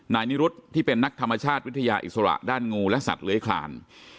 นิรุธที่เป็นนักธรรมชาติวิทยาอิสระด้านงูและสัตว์เลื้อยคลาน